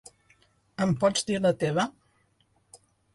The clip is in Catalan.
Em pots dir la teva.?